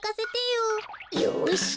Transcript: よし。